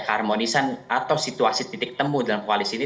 keharmonisan atau situasi titik temu dalam koalisi ini